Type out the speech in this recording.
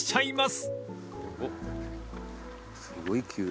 すごい急。